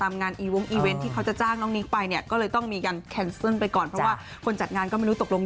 ไม่เสียหายเลยก็มันเป็นเรื่องขับ